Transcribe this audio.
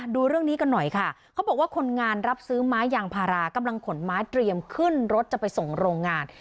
ดูเรื่องนี้กันหน่อยค่ะเขาบอกว่าคนงานรับซื้อไม้ยางพารากำลังขนไม้เตรียมขึ้นรถจะไปส่งโรงงาน